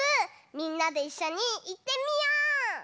みんなでいっしょにいってみよう！